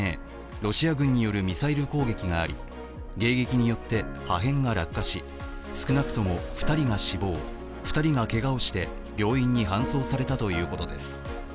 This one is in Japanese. ロシア軍によるミサイル攻撃があり迎撃によって破片が落下し少なくとも２人が死亡２人がけがをして病院に搬送されたということです。